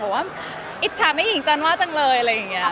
ว่าอิจฉาแม่หญิงจันว่าจังเลยอะไรอย่างนี้